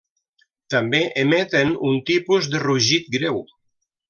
També emeten un tipus de rugit greu.